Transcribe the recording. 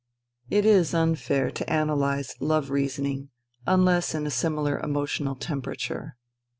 It is unfair to analyse love reasoning unless in a similar emotional temperature.